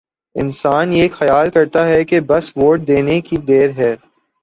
انسان یہ خیال کرتا ہے کہ بس ووٹ دینے کی دیر ہے۔